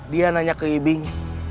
dia nanya ke ibing